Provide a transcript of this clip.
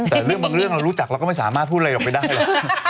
แต่เรื่องบางเรื่องเรารู้จักเราก็ไม่สามารถพูดอะไรออกไปได้หรอก